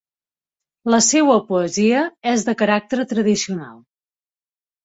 La seua poesia és de caràcter tradicional.